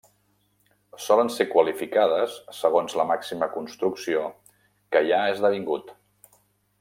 Solen ser qualificades segons la màxima construcció que hi ha esdevingut.